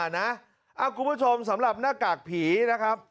คุณผู้ชมสำหรับหน้ากากผีนะครับ